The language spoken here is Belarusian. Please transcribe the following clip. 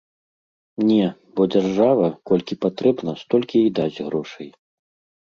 Не, бо дзяржава, колькі патрэбна, столькі і дасць грошай.